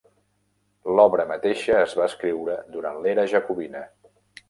L'obra mateixa es va escriure durant l'era Jacobina.